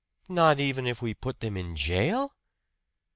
"Not even if we put them in jail?"